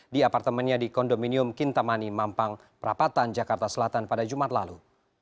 di apartemennya di kondominium kintamani mampang perapatan jakarta selatan pada jumat lalu